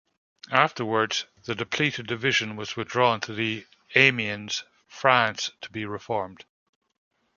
Afterwards, the depleted division was withdrawn to Amiens, France to be reformed.